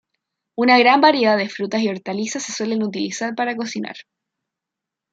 Una gran variedad de frutas y hortalizas se suelen utilizar para cocinar.